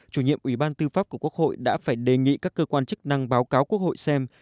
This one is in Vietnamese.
chủ nhiệm ủy ban tư pháp của quốc hội đã phải đề nghị các cơ quan chức năng báo cáo quốc hội xem